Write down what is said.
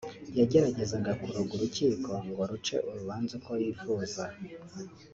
yageragezaga kuroga urukiko ngo ruce urubanza uko yifuza